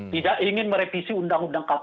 tidak ingin merevisi undang undang kpk